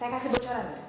saya kasih bocoran nih